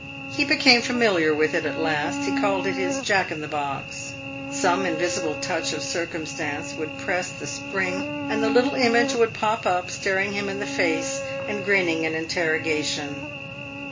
He became familiar with it at last; he called it his Jack in the box. Some invisible touch of circumstance would press the spring, and the little image would pop up, staring him in the face and grinning an interrogation.